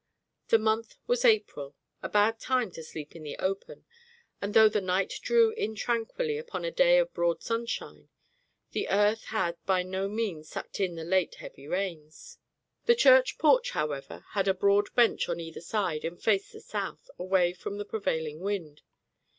The month was April, a bad time to sleep in the open; and though the night drew in tranquilly upon a day of broad sunshine, the earth had by no means sucked in the late heavy rains. The church porch, however, had a broad bench on either side and faced the south, away from the prevailing wind.